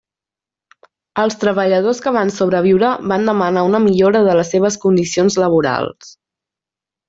Els treballadors que van sobreviure van demanar una millora de les seves condicions laborals.